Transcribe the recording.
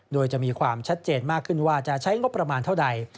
โดยจะมีความชัดเจนมากขึ้นว่าจะใช้งบประมาณเท่าใด